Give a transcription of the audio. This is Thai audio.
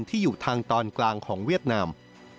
ที่อยู่ทางตอนกลางของเวียดนาม